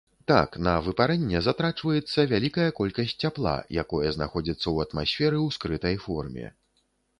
Так, на выпарэнне затрачваецца вялікая колькасць цяпла, якое знаходзіцца ў атмасферы ў скрытай форме.